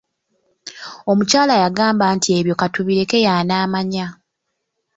Omukyala yagamba nti ebyo katubireke y’anaamanya.